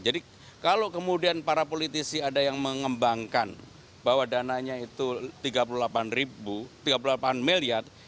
jadi kalau kemudian para politisi ada yang mengembangkan bahwa dananya itu tiga puluh delapan miliar